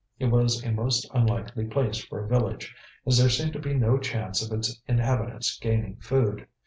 It was a most unlikely place for a village, as there seemed to be no chance of its inhabitants gaining food.